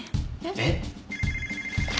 えっ？